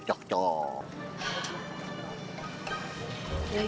ya yuk terus kita main lagi